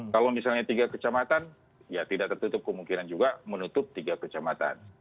kalau misalnya tiga kecamatan ya tidak tertutup kemungkinan juga menutup tiga kecamatan